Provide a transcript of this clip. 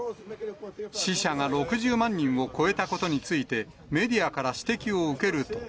死者が６０万人を超えたことについて、メディアから指摘を受けると。